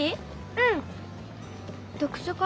うん。